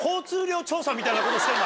みたいなことしてんの？